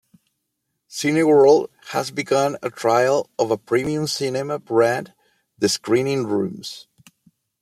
Cineworld has begun a trial of a premium cinema brand, The Screening Rooms.